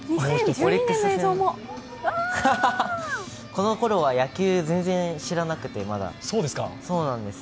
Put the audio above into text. このころは野球全然知らなくて。